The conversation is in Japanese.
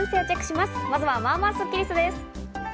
まずは、まあまあスッキりすです。